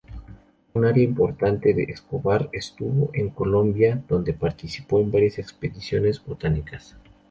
Un área importante de Escobar estuvo en Colombia, donde participó en varias expediciones botánicas.